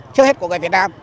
trước hết của người việt nam